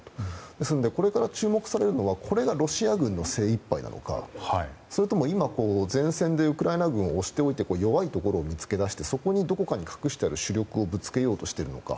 ですのでこれから注目されるのはこれがロシア軍の精いっぱいなのかそれとも今、前線でウクライナ軍を押しておいて弱いところを見つけ出してそこにどこかに隠してある主力をぶつけようとしているのか